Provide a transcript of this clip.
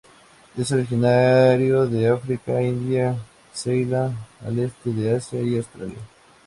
Es originario de África, India, Ceilán, el este de Asia y Australia.